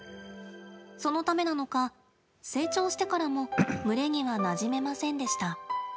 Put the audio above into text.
そのためなのか成長してからも群れにはなじめませんでした。